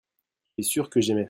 tu es sûr que j'aimai.